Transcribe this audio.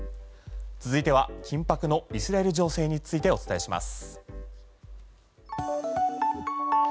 続いては緊迫のイスラエル情勢についてお伝えします。